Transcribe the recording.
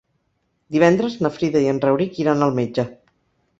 Divendres na Frida i en Rauric iran al metge.